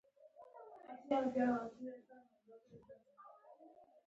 هر څوک مسوولیت لري